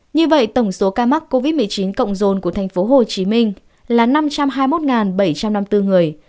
như vậy tổng số ca mắc covid một mươi chín cộng dồn của tp hcm là năm trăm hai mươi một bảy trăm năm mươi bốn người